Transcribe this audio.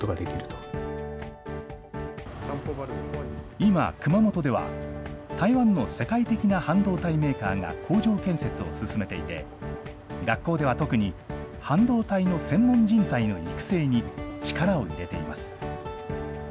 今、熊本では台湾の世界的な半導体メーカーが工場建設を進めていて、学校では特に、半導体の専門人材の育成に力を入れています。